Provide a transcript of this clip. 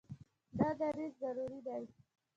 دا دریځ ضروري دی.